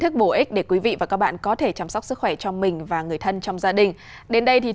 hẹn gặp lại các bạn trong những số tiếp theo